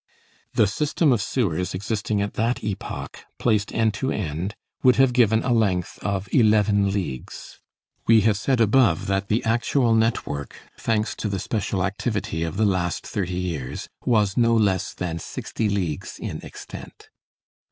The system of sewers existing at that epoch, placed end to end, would have given a length of eleven leagues. We have said above, that the actual network, thanks to the special activity of the last thirty years, was no less than sixty leagues in extent.